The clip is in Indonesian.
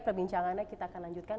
perbincangannya kita akan lanjutkan